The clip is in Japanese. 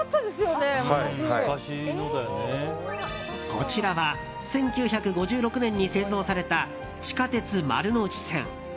こちらは１９５６年に製造された地下鉄丸ノ内線。